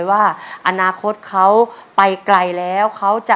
ยังไงไปแข่ง